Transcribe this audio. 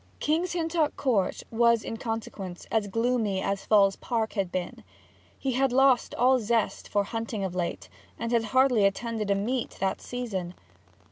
King's Hintock Court was in consequence as gloomy as Falls Park had been. He had lost all zest for hunting of late, and had hardly attended a meet that season.